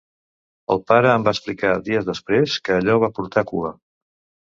El pare em va explicar, dies després, que allò va portar cua.